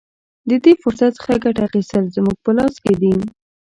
د دې فرصت څخه ګټه اخیستل زموږ په لاس کې دي.